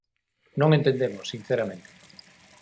Non entendemos, sinceramente.